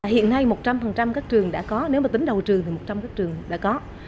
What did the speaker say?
hiện nay một trăm linh các trường đã có nếu mà tính đầu trường thì một trăm linh các trường đã có